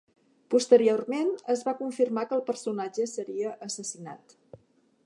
Posteriorment, es va confirmar que el personatge seria assassinat.